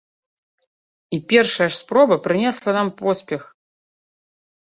І першая ж спроба прынесла нам поспех!